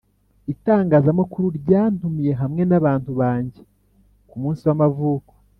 Itangazamakuru ryantumiye hamwe nabantu banjye ku munsi w’amavuko.